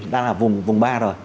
đang là vùng ba rồi